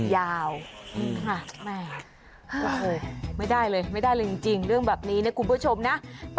ยาวไม่ได้เลยไม่ได้เลยจริงเรื่องแบบนี้นะคุณผู้ชมนะ